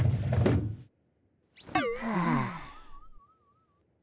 はあ。